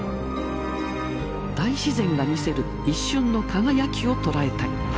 大自然が見せる一瞬の輝きを捉えたい。